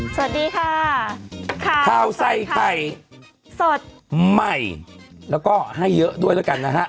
สวัสดีค่ะข้าวใส่ไข่สดใหม่แล้วก็ให้เยอะด้วยแล้วกันนะฮะ